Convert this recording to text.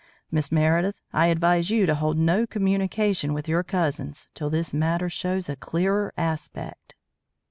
Miss Meredith, I advise you to hold no communication with your cousins till this matter shows a clearer aspect."